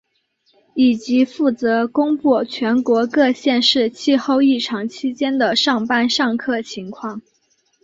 以及负责公布全国各县市气候异常期间的上班上课情况。